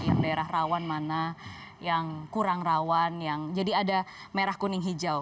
yang daerah rawan mana yang kurang rawan yang jadi ada merah kuning hijau